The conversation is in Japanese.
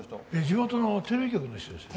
地元のテレビ局の人です。